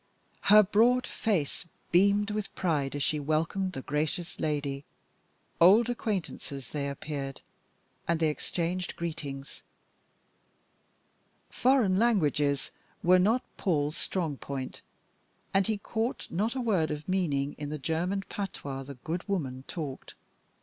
Her broad face beamed with pride as she welcomed the gracious lady. Old acquaintances they appeared, and they exchanged greetings. Foreign languages were not Paul's strong point, and he caught not a word of meaning in the German patois the good woman talked.